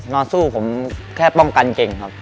นอนสู้ผมแค่ป้องกันเก่งครับ